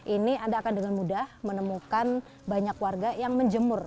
ini anda akan dengan mudah menemukan banyak warga yang menjemur